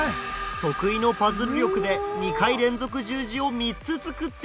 得意のパズル力で２回連続十字を３つ作っていく。